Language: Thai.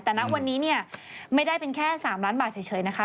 แต่ณวันนี้เนี่ยไม่ได้เป็นแค่๓ล้านบาทเฉยนะคะ